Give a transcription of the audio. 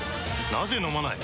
なぜ飲まない？